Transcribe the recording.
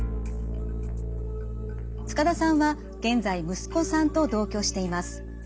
塚田さんは現在息子さんと同居しています。